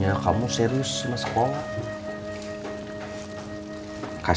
iya dok sebentar ya